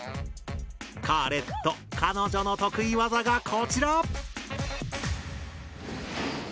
カーレット彼女の得意技がこちら。